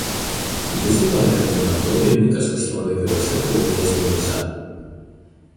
Vizito Amerikoje metu dainininkas pasirodė keliose televizijos laidose.